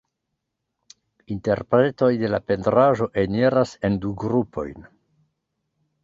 Interpretoj de la pentraĵo eniras en du grupojn.